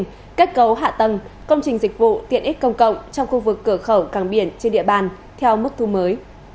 kết cấu hạ tầng công trình dịch vụ tiện ích công cộng trong khu vực cửa khẩu càng biển trên địa bàn theo mức thu mới